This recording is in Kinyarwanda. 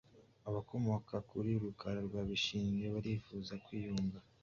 Abakomoka kuri Rukara rwa Bishingwe barifuza kwiyunga